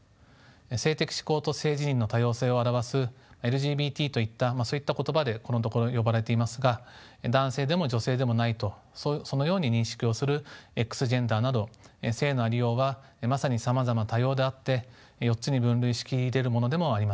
性的指向と性自認の多様性を表すＬＧＢＴといったそういった言葉でこのところ呼ばれていますが男性でも女性でもないとそのように認識をするＸジェンダーなど性のありようはまさにさまざま多様であって４つに分類し切れるものでもありません。